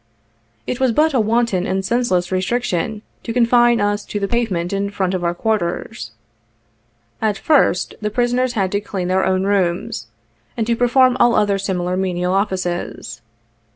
It was but a wanton and senseless restriction to confine us to the pavement in front of our quarters. At first, the prisoners had to clean their own rooms, and to perform all other similar menial offices.